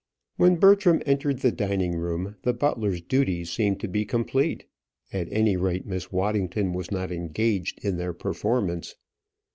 When Bertram entered the dining room, the butler's duties seemed to be complete; at any rate, Miss Waddington was not engaged in their performance.